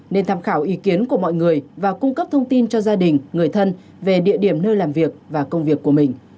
nên tham khảo ý kiến của mọi người và cung cấp thông tin cho gia đình người thân về địa điểm nơi làm việc và công việc của mình